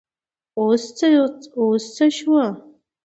اوس څه شو ؟